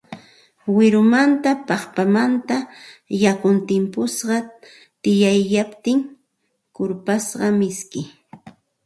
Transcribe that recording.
Wirumanta, paqpamanta yakun timpusqa tikayaptin kurpasqa miski